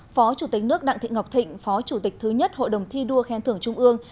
phó chủ tịch nước đặng thị ngọc thịnh phó chủ tịch thứ nhất hội đồng thi đua khen thưởng trung ương